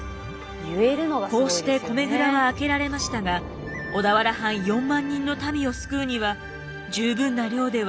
こうして米蔵は開けられましたが小田原藩４万人の民を救うには十分な量ではありませんでした。